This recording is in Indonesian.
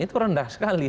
itu rendah sekali